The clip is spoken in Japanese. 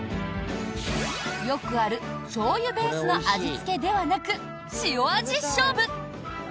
よくあるしょうゆベースの味付けではなく塩味勝負！